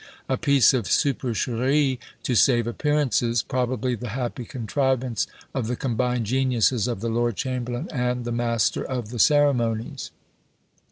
A piece of supercherie to save appearances; probably the happy contrivance of the combined geniuses of the lord chamberlain and the master of the ceremonies!